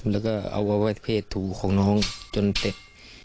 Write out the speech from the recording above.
แล้วก็เอาอวัยเวทย์เผถูของน้องจนเต็ด